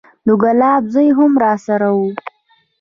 د ګلاب زوى هم راسره و.